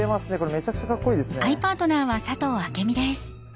めちゃくちゃカッコいいですね。